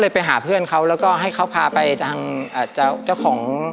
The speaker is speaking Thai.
ไปหาเพื่อนเขาแล้วก็ให้เขาพาไปทางเจ้าของ